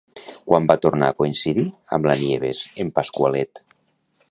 Quan va tornar a coincidir amb la Nieves, en Pasqualet?